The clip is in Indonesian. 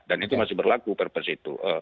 dan itu masih berlaku per per situ